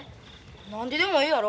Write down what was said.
何ででもええやろ。